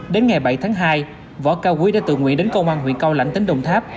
đến ngày bảy tháng hai võ cao quý đã tự nguyện đến công an huyện cao lãnh tỉnh đồng tháp